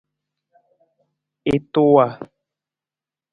I tuwa.